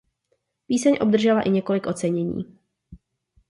Píseň obdržela i několik ocenění.